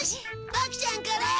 ボクちゃんこれ！